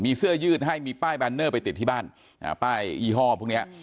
มีเสื้อยืดให้มีป้ายแบนเนอร์ไปติดที่บ้านอ่าป้ายยี่ห้อพวกเนี้ย